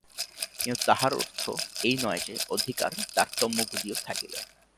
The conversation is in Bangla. কিন্তু তাহার অর্থ এই নয় যে, অধিকার-তারতম্যগুলিও থাকিবে।